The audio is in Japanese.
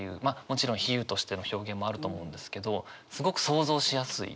もちろん比喩としての表現もあると思うんですけどすごく想像しやすい。